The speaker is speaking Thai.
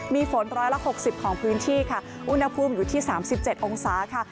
มีฝนร้อยละ๖๐ของพื้นที่ค่ะอุณหภูมิอยู่ที่๓๗องศาค่ะ